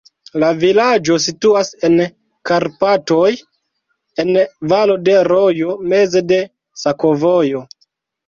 La vilaĝo situas en Karpatoj, en valo de rojo, meze de sakovojo.